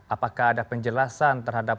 apakah ada penjelasan terhadap